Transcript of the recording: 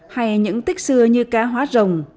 hay những tích xưa như cá hóa rồng